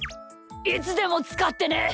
いつでもつかってね。